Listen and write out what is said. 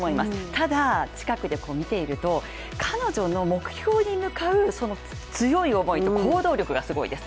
ただ近くで見ていると彼女の目標に向かう強い思いと行動力がすごいです。